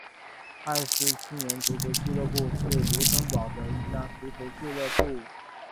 埃施青年足球俱乐部是卢森堡的一家足球俱乐部。